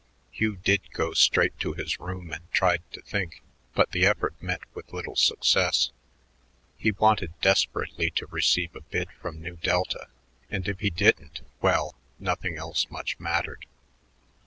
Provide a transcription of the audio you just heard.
Hugh did go straight to his room and tried to think, but the effort met with little success. He wanted desperately to receive a bid from Nu Delta, and if he didn't well, nothing else much mattered.